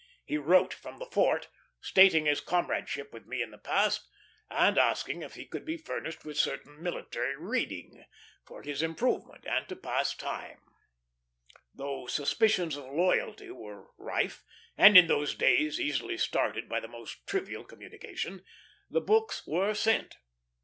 He wrote from the fort, stating his comradeship with me in the past, and asking if he could be furnished with certain military reading, for his improvement and to pass time. Though suspicions of loyalty were rife, and in those days easily started by the most trivial communication, the books were sent.